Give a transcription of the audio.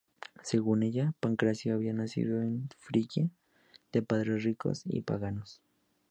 Según ella, Pancracio había nacido en Frigia, de padres ricos y paganos.